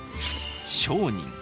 商人。